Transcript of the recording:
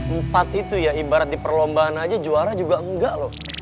empat itu ya ibarat di perlombaan aja juara juga enggak loh